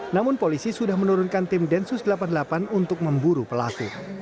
namun polisi sudah menurunkan tim densus delapan puluh delapan untuk memburu pelaku